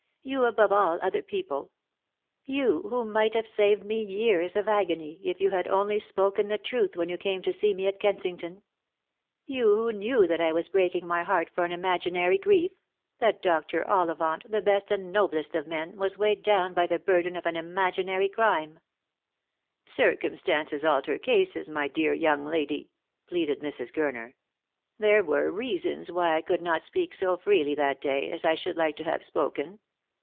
You above all other people ! You who might have saved me years of agony if you had only spoken the truth when you came to see me at Kensington ! You who knew that I was breaking my heart for an imaginary grief; that Dr. Ollivant, the best and noblest of men, was weighed down by the burden of an, imaginary crime !" Lost for Love. 361 " Circumstances alter cases, my dear young lady," pleaded Mrs. Gurner. " There were reasons why I could not speak so freely that day as I should like to have spoken.